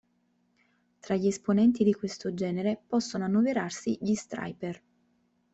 Tra gli esponenti di questo genere possono annoverarsi gli Stryper.